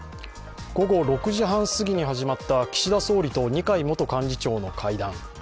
午後６時半すぎに始まった岸田総理と二階元幹事長の会談。